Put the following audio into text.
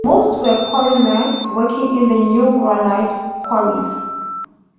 Most were quarrymen working in new granite quarries.